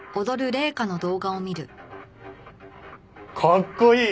かっこいい！